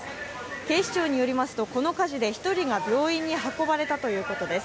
警視庁によりますとこの火事で１人が病院に運ばれたということです。